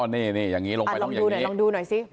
อ๋อนี่อย่างนี้ลงไปต้องอย่างนี้